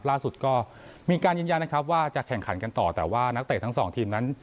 ล่าสุดก็มีการยืนยันนะครับว่าจะแข่งขันกันต่อแต่ว่านักเตะทั้งสองทีมนั้น